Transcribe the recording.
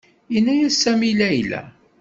Yenna-as Sami i Layla.